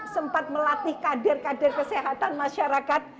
sempat melatih kadir kadir kesehatan masyarakat